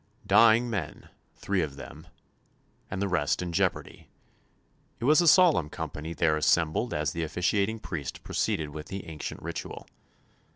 Dying men, three of them, and the rest in jeopardy, it was a solemn company there assembled as the officiating priest proceeded with the ancient ritual.